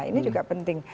ini juga penting